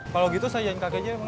kalau gitu saya jalan kakek aja bang